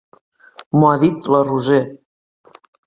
M'ho ha dit la Roser.